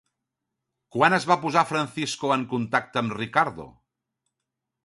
Quan es va posar Francisco en contacte amb Ricardo?